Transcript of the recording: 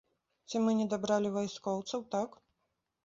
Ці мы не дабралі вайскоўцаў, так?